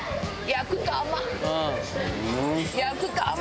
焼くと甘い！